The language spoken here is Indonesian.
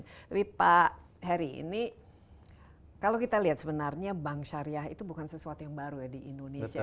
tapi pak heri ini kalau kita lihat sebenarnya bank syariah itu bukan sesuatu yang baru ya di indonesia